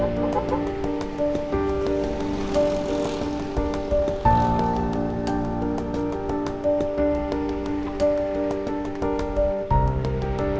siapa tu seninelas shya